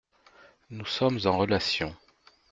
Nous sommes en relation.